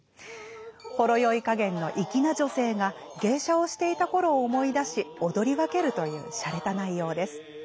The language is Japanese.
ほろ酔い加減の粋な女性が芸者をしていた頃を思い出し踊り分けるというしゃれた内容です。